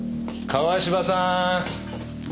川芝さん！